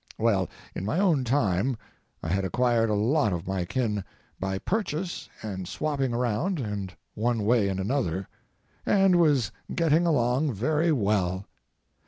Well, in my own time, I had acquired a lot of my kin—by purchase, and swapping around, and one way and another—and was getting along very well.